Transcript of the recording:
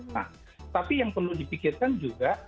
nah tapi yang perlu dipikirkan juga